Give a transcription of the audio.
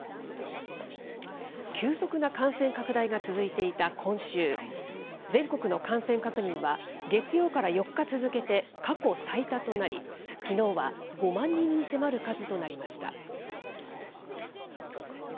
急速な感染拡大が続いていた今週、全国の感染確認は月曜から４日続けて過去最多となり、きのうは５万人に迫る数となりました。